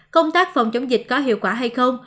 công tác phòng chống dịch có hiệu quả hay không